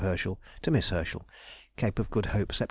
HERSCHEL TO MISS HERSCHEL. CAPE OF GOOD HOPE, _Sept.